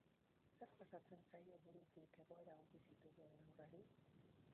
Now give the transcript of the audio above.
Zer pasatzen zaio burutik egoera hau bizitu duen haurrari?